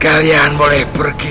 kalian boleh pergi